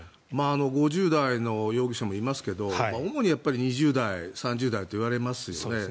５０代の容疑者もいますけど主に２０代、３０代といわれますよね。